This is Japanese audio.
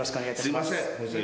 すいません。